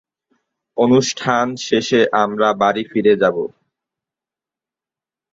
বর্তমানে বিদ্যালয়টিতে double shift চালু আছে।